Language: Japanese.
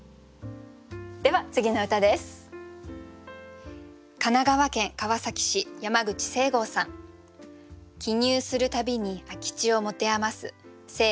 では次の歌です。